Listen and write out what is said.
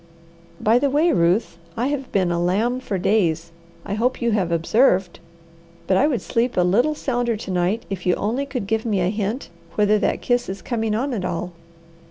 By the way, Ruth, I have been a lamb for days. I hope you have observed! But I would sleep a little sounder to night if you only could give me a hint whether that kiss is coming on at all."